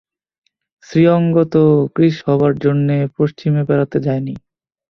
শ্রীঅঙ্গ তো কৃশ হবার জন্যে পশ্চিমে বেড়াতে যায় নি।